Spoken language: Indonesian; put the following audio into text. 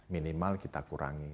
minimal kita kurangi